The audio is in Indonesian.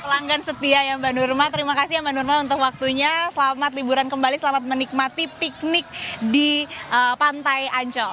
pelanggan setia ya mbak nurma terima kasih ya mbak nurma untuk waktunya selamat liburan kembali selamat menikmati piknik di pantai ancol